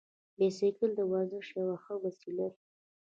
بایسکل د ورزش یوه ښه وسیله ده.